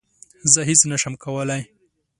زه هیڅ نه شم کولای